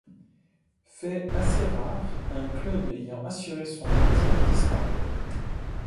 Fait assez rare, un club ayant assuré son maintien disparaît.